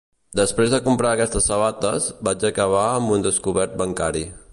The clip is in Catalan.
Després de comprar aquestes sabates, vaig acabar amb un descobert bancari